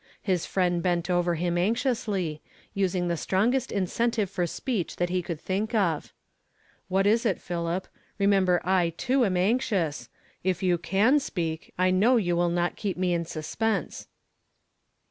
His friend bent over him anxiously, using the strongest incentive for speech that he could think of. "What is it, Philip? Remember I, too, am SHEEP SHALL er I, too, am "SMITE THE SHEPHERD." 309 anxious. If you can speak, I know you will not keep me in suspense."